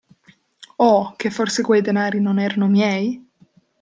Oh, che forse quei denari non erano miei?